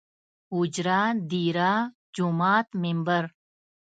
اوجره ، ديره ،جومات ،ممبر